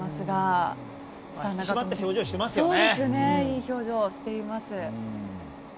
いい表情をしています。